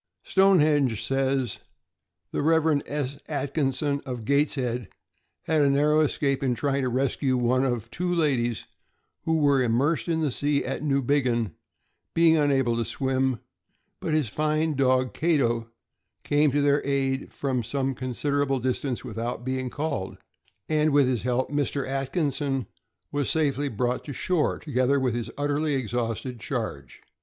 Stonehenge says: The Rev. S. Atkinson, of Gateshead, had a narrow escape in trying to rescue one of two ladies who were immersed in the sea at Newbiggin, being himself unable to swim; but his fine dog Cato came to their aid from some con siderable distance without being called, and with his help Mr. Atkinson was safely brought to shore, together with his utterly exhausted charge.